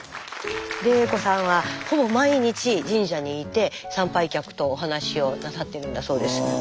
玲子さんはほぼ毎日神社にいて参拝客とお話をなさってるんだそうです。